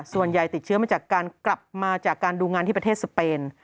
ส่วนใหญ่ติดเชื้อมาจากการกลับมาจากการดูงานที่ประเทศสเปน